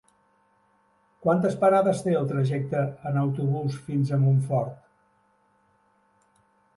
Quantes parades té el trajecte en autobús fins a Montfort?